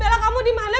bella kamu dimana bella